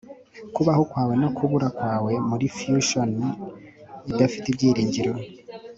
kubaho kwawe no kubura kwawe muri fusion idafite ibyiringiro